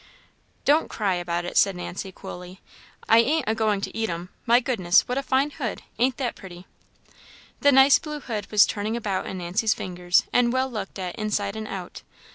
"Don't cry about it," said Nancy, coolly, "I ain't agoing to eat 'em. My goodness! what a fine hood! ain't that pretty?" The nice blue hood was turning about in Nancy's fingers, and well looked at inside and out.